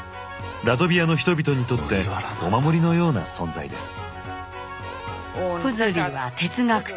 ラトビアの人々にとってお守りのような存在です。